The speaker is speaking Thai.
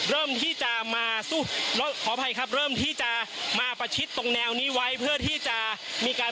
เริ่มที่จะมาสู้แล้วขออภัยครับเริ่มที่จะมาประชิดตรงแนวนี้ไว้เพื่อที่จะมีการ